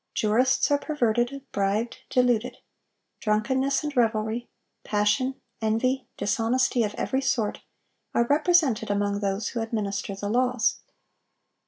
Jurists are perverted, bribed, deluded. Drunkenness and revelry, passion, envy, dishonesty of every sort, are represented among those who administer the laws.